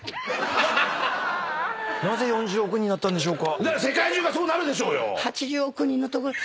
なぜ４０億人だったんでしょうか？